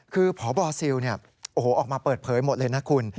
คือพบซิลออกมาเปิดเผยหมดเลยนะคุณ